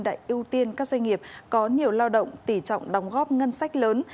đã ưu tiên các doanh nghiệp có nhiều lao động tỷ trọng đóng góp ngân sách lớn